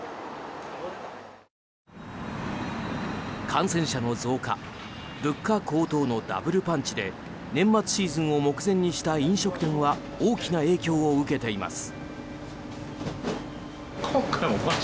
感染者の増加物価高騰のダブルパンチで年末シーズンを目前にした飲食店は大きな影響を受けています。